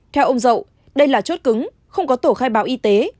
theo ông dậu đây là chốt cứng không có tổ khai báo y tế